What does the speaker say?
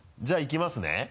じゃあいきますね。